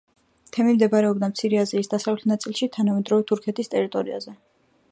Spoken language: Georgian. თემი მდებარეობდა მცირე აზიის დასავლეთ ნაწილში, თანამედროვე თურქეთის ტერიტორიაზე.